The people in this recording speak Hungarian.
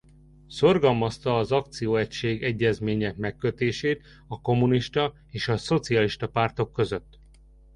Szorgalmazta az akcióegység-egyezmények megkötését a kommunista és a szocialista pártok között.